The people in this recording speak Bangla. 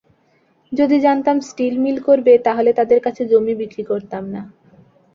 যদি জানতাম স্টিল মিল করবে, তাহলে তাদের কাছে জমি বিক্রি করতাম না।